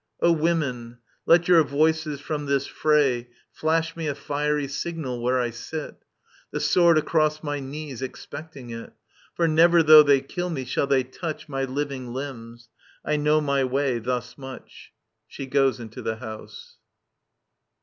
O Women, let your voices from this fray Flash me a fiery signal, where I sit. The sword across my knees, expecting it. For never, though they kill me, shall they touch My living limbs !— ^I know my way thus much. [SA/ goes into the house.